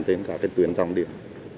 trên cả tuyển trọng điểm